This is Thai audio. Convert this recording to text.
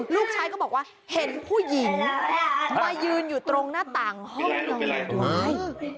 ลูกชายก็บอกว่าเห็นผู้หญิงมายืนอยู่ตรงหน้าต่างห้องนอนไม้